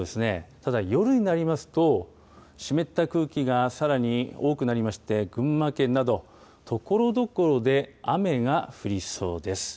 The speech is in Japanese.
ただ、夜になりますと、湿った空気がさらに多くなりまして、群馬県など、ところどころで雨が降りそうです。